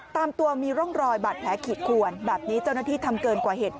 ตามตัวมีร่องรอยบาดแผลขีดขวนแบบนี้เจ้าหน้าที่ทำเกินกว่าเหตุ